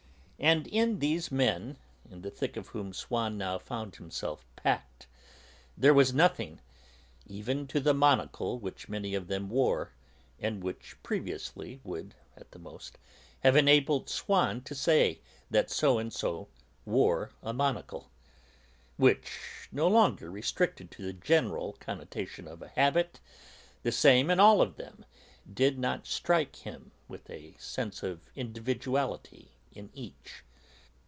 And in these men, in the thick of whom Swann now found himself packed, there was nothing (even to the monocle which many of them wore, and which, previously, would, at the most, have enabled Swann to say that so and so wore a monocle) which, no longer restricted to the general connotation of a habit, the same in all of them, did not now strike him with a sense of individuality in each.